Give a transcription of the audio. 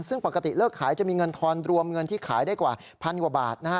ซึ่งปกติเลิกขายจะมีเงินทอนรวมเงินที่ขายได้กว่าพันกว่าบาทนะฮะ